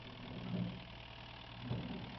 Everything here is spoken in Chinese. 壶冠木为茜草科壶冠木属下的一个种。